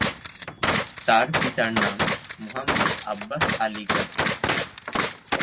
তার পিতার নাম মোহাম্মদ আব্বাস আলী গাজী।